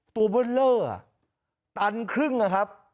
เบอร์เลอร์ตันครึ่งอะครับ